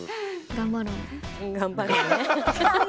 「頑張ろうね」！